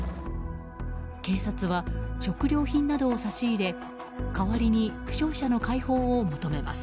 警察は、食料品などを差し入れ代わりに負傷者の解放を求めます。